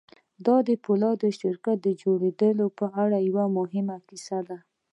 دا د پولادو شرکت د جوړېدو په اړه یوه مهمه کیسه ده